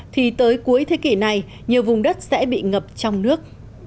thì tới cuối thế kỷ này nhiều vùng đất sẽ bị ngập trong nước